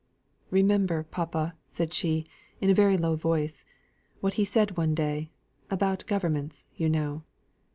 "Remember, papa," said she in a very low voice, "what he said one day, about governments, you know."